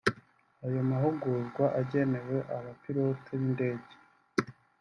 Ayo mahugurwa agenewe abapilote b’indege